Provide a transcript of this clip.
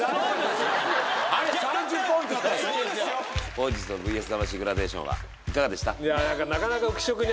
本日の『ＶＳ魂』グラデーションはいかがでした？